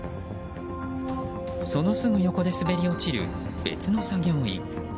そのすぐ横で滑り落ちる別の作業員。